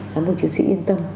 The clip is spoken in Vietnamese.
các bộ chiến sĩ yên tâm